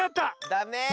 ダメ！